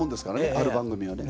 ある番組をね。